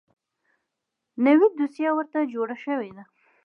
نوې دوسیه ورته جوړه شوې ده .